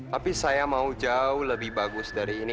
tapi saya mau jauh lebih bagus dari ini